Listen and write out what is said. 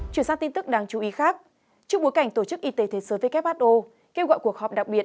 chuyển sang tin tức đáng chú ý khác trước bối cảnh tổ chức y tế thế giới who kêu gọi cuộc họp đặc biệt